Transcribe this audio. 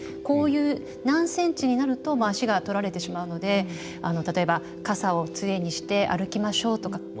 こういう何ｃｍになると足がとられてしまうので例えば「傘を杖にして歩きましょう」とか。